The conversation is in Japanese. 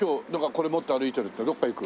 これ持って歩いてるってどっか行く？